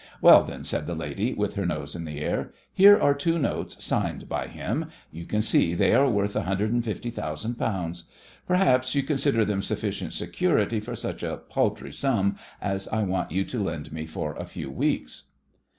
"Well, then," said the lady, with her nose in the air, "here are two notes signed by him. You can see they are worth £150,000. Perhaps you consider them sufficient security for such a paltry sum as I want you to lend me for a few weeks."